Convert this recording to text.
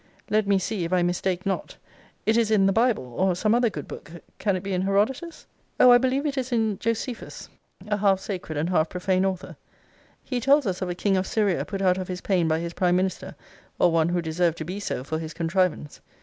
Let me see, if I mistake not, it is in the Bible, or some other good book: can it be in Herodotus? O I believe it is in Josephus, a half sacred, and half profane author. He tells us of a king of Syria put out of his pain by his prime minister, or one who deserved to be so for his contrivance.